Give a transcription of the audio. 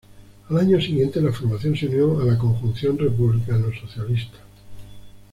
Al año siguiente la formación se unió a la Conjunción Republicano-Socialista.